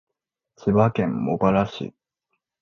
千葉県茂原市